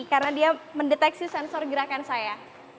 karena dia mendeteksi sensor gerakan saya